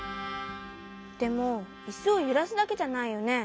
でもイスをゆらすだけじゃないよね？